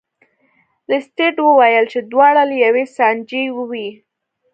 لیسټرډ وویل چې دواړه له یوې سانچې وې.